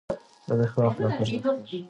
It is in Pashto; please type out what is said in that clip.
زه د ښو اخلاقو ارزښت پېژنم.